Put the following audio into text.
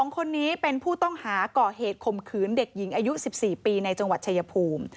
๒คนนี้เป็นผู้ต้องหาก่อเหตุข่มขืนเด็กหญิงอายุ๑๔ปีในจังหวัดชายภูมิ